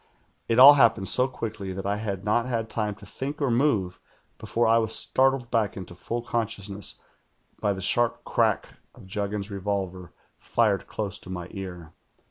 1 1 all happened so quickly that I had not had time to Lliink or move before I was startled back into full consciousness by the sharp crack of Juggins's revolver fired close to my ear.